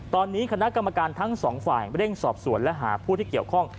ตอนนี้คณะกรรมการทั้งสองฝ่ายเร่งสอบสวนและหาผู้ที่เกี่ยวข้อง